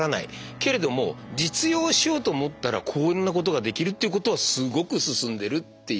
けれども実用しようと思ったらこんなことができるっていうことはすごく進んでるっていう。